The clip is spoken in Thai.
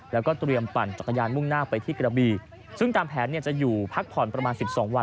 แล้วก็เตรียมปั่นจักรยานมุ่งหน้าไปที่กระบีซึ่งตามแผนเนี่ยจะอยู่พักผ่อนประมาณสิบสองวัน